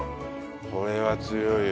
これは強いよ。